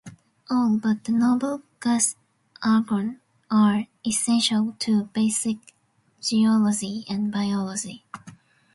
All but the noble gas argon are essential to basic geology and biology.